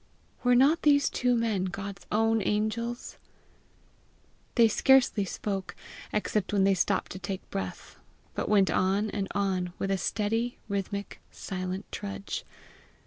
Were not these two men God's own angels! They scarcely spoke, except when they stopped to take breath, but went on and on with a steady, rhythmic, silent trudge.